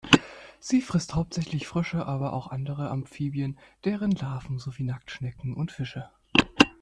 Sie frisst hauptsächlich Frösche, aber auch andere Amphibien, deren Larven sowie Nacktschnecken und Fische.